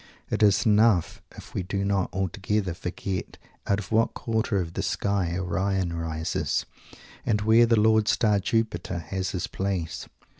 It is enough if we do not altogether forget out of what quarter of the sky Orion rises; and where the lord star Jupiter has his place.